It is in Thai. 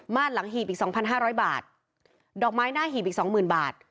หลังหีบอีกสองพันห้าร้อยบาทดอกไม้หน้าหีบอีกสองหมื่นบาท